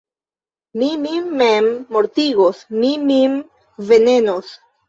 Mi min mem mortigos, mi min venenos!